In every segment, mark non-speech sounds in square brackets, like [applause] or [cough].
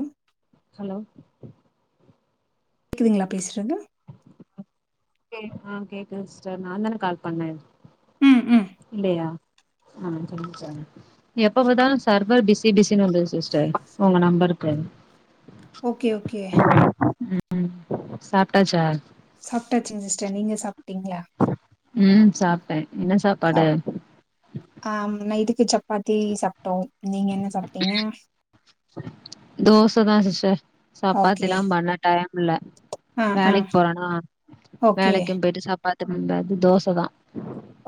ம் ஹலோ கேக்குதுங்ளா பேஸ்ரது கே ஆ கேக்குது சிஸ்டர் நா தான கால் பண்ண ம் ம் இல்லயா ஆ சொல்லுங்க சொல்லுங்க எப்ப பாத்தாலு சர்வர் பிஸி பிஸினு வந்துது சிஸ்டர் ஒங்க நம்பருக்கு ஓகே ஓகே ம் சாப்ட்டாச்சா சாப்ட்டாச்சுங்க சிஸ்டர் நீங்க சாப்ட்டீங்ளா ம் சாப்ட்ட என்ன சாப்பாடு ஆ நைட்டுக்கு சப்பாத்தி சாப்ட்டோ நீங்க என்ன சாப்ட்டீங்க தோச தா சிஸ்டர் ஓகே சப்பாத்திலா பண்ண டைம் இல்ல ஆ ஆ வேலைக்கு போறனா ஓகே வேலைக்கு போயிட்டு சாப்பாத்தி [unintelligible] தோச தா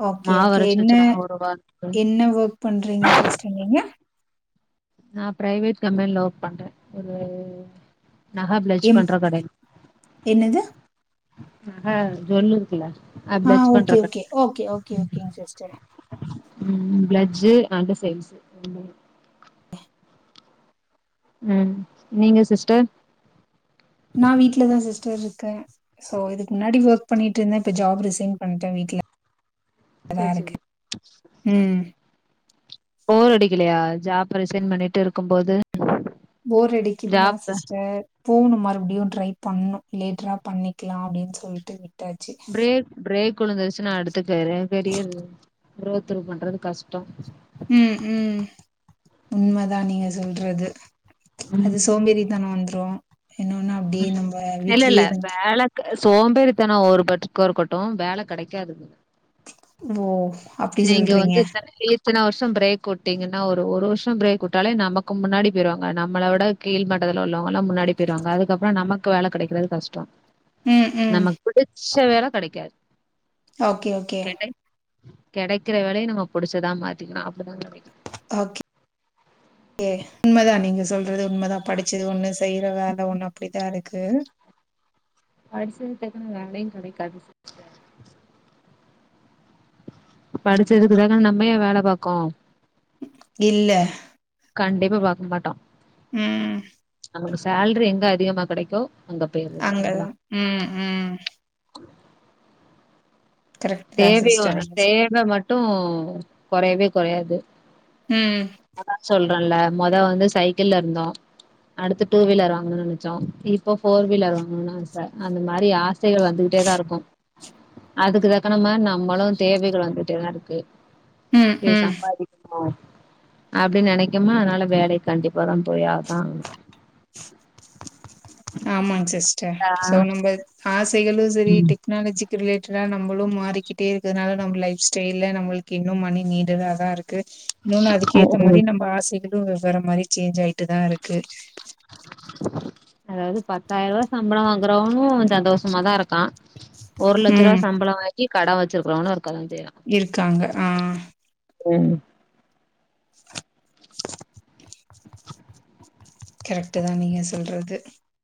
ஓகே மாவு ஓகே அரச்சு என்ன வச்சுருவாங்க ஒரு வாரத்துக்கு என்ன வோர்க் பண்றீங்க சிஸ்டர் நீங்க நா பிரைவேட் கம்பெனில ஒர்க் பண்ற இது நக பிளஜ் எம் பண்ற கடை என்னது நக ஜுவல்லு இருக்குல ஆ ஓகே ஓகே ஓகே ஓகே ஓகேங்க சிஸ்டர் ம் பிளட்ஜு அன்டு சேல்ஸு [unintelligible] ம் நீங்க சிஸ்டர் ம் வீட்ல தா சிஸ்டர் இருக்கே சோ இதுக்கு முன்னாடி ஒர்க் பண்ணிட்டு இருந்த இப்ப ஜாப் ரிசைன் பண்ட வீட்ல தா சேரி செரி இருக்கே ம் போர் அடிக்கலயா ஜாப் ரிசைன் பண்ணிட்டு இருக்கும்போது போர் அடிக்குதுதா சிஸ்டர் போனு மறுபடியு ட்ரை பண்ணு லேட்டரா பண்ணிக்கலா அப்டினு சொல்ட்டு விட்டாச்சு பிரேக் பிரேக் உழுந்துருச்சுனா அடுத்து கரியர் பெரிய கோ த்ரூ பண்றது கஷ்டோ ம் ம் உண்மதா நீங்க சொல்றது ம் அது சோம்பேறிதனோ வந்ரு இன்னொனு அப்டியே நம்ப இல்ல இல்ல வீட்லியேருந் வேல சோம்பேறித்தனோ ஒரு பற்றுக்கு இருக்கட்டு வேல கெடைக்காது ஓ அப்டி நீங்க சொல்றீங்க வந்து [unintelligible] இத்தன வர்ஷம் பிரேக் வுட்டீங்கனா ஒரு ஒரு வர்ஷம் பிரேக் வுட்டாலே நமக்கு முன்னாடி போய்ருவாங்க நம்மள விட கீழ் மட்டதல உள்ளவங்கலாம் முன்னாடி போயிருவாங்க அதுக்கப்றோ நமக்கு வேல கெடைக்கிறது கஷ்டோ ம் ம் நமக் இச்ச வேல கெடைக்காது ஓகே ஓகே கிடை கெடைக்கிற வேலைய நம்ம புடிச்சதா மாத்திகிணு அப்டிதா [unintelligible] ஓகே கே உண்மதா நீங்க சொல்றது உண்மதா படிச்சது ஒன்னுச் செய்ற வேல ஒன்னு அப்டிதா இருக்கு படிச்சதுக்கு தக்ன வேலயுங் கெடைக்காதுச் படிச்சதுக்கு தகன நம்ம ஏ வேல பாக்கோ இல்ல கண்டிப்பா பாக் மாட்டோ ம் சேல்ரி எங்க அதிகமா கெடைக்கோ அங்க போயர்றது அங்கதா அப்டிதா ம் ம் கரக் தேவியு தேவ மட்டு கொறையவே கொறையாது ம் ம் அதா சொல்ற இல்ல மொதோ வந்து சைக்கிள்ல இருந்தோ அடுத்து டூ வீலர் வாங்கணு நெனச்சோ இப்போ ஃபோர் வீலர் வாங்கணுனு ஆச அந்த மாரி ஆச் சைகள் வந்துகிட்டேதா இருக்கு அதுக்குதாக் கனம்ம நம்மளு தேவைகள் வந்துட்டேதா இருக்கு ம் இது ம் சம்பாதிக் அப்டி நெனைக்கமா அதனால வேலயக் கண்டிப்பாதாம் போயாதா ஆமாங் சிஸ்ட ஆ சோ நம்ப ஆசைகளு செரி ம் டிக் க்னாலஜிக்கு ரிலேட்டடா நம்பளு மாரிகிட்டே இருக்கனால நம்ப லைஃப் ஸ்டைல நம்மளுக்கு இன்னும் மணி நீடடாதா இருக் க்கு இன்னோனு அதுக்கு ஏத்த மாரி நம்ம ஆசைகளு வெவ்வேற மாரி சேஞ்ச் ஆயிட்டுதா இருக்கு அதாவ்து பத்தாயிரவா சம்பளோ வாங்கறவனு சந்தோசமாதா இருக்கா ஒரு லட்ச ருவா ம் சம்பளோ வாங்கி கடே வச்சிருக்கறவுனு இருக்கதாஞ் செய்றா இருக்காங்க ஆ ம் கரெக்ட்டுதா நீங்க சொல்றது